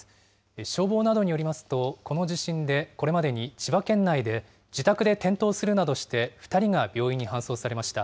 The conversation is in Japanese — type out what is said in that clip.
消防などによりますと、この地震でこれまでに、千葉県内で自宅で転倒するなどして２人が病院に搬送されました。